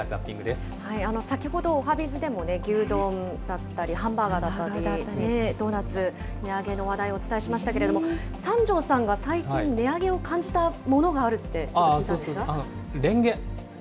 先ほど、おはＢｉｚでも牛丼だったり、ハンバーガーだったり、ドーナツ、値上げの話題をお伝えしましたけれども、三條さんが最近、値上げを感じたものがあるって、ちょっと聞いたれんげ。